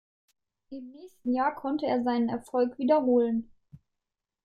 Im nächsten Jahr konnte er seinen Erfolg wiederholen.